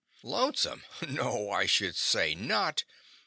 Lonesome! No, I should say not.